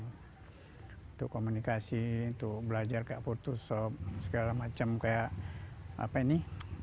untuk komunikasi untuk belajar kayak putus sop segala macam kayak apa ini